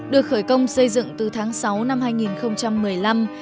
được khởi công xây dựng từ tháng sáu năm hai nghìn một mươi năm